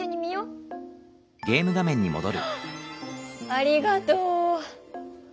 ありがとう！